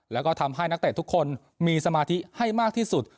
แล้วก็ทำให้นักเตะทุกคนมีสมาธิให้มากที่สุด